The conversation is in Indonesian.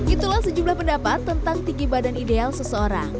itulah sejumlah pendapat tentang tinggi badan ideal seseorang